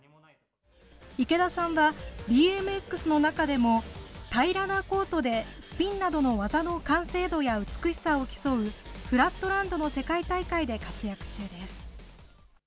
池田さんはＢＭＸの中でも、平らなコートでスピンなどの技の完成度や美しさを競う、フラットランドの世界大会で活躍中です。